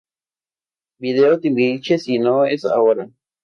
Video Timbiriche Si No Es Ahora